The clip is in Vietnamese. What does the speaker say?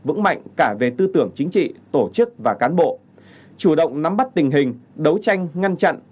vững mạnh cả về tư tưởng chính trị tổ chức và cán bộ chủ động nắm bắt tình hình đấu tranh ngăn chặn